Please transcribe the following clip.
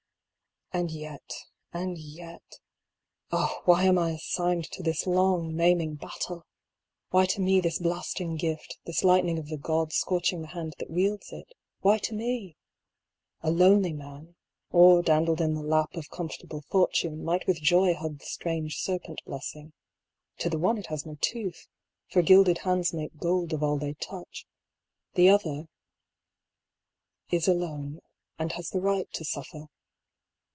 And yet, and yet — Oh, why am I assigned to this long maiming battle ? Why to me this blasting gift, this lightning of the gods scorching the hand that wields it ? why to me ? A lonely man, or dandled in the lap of comfortable fortune, might with joy hug the strange serpent blessing; to the one it has no tooth, for gilded hands make gold of all they touch, the other is alone, and has the right to suffer.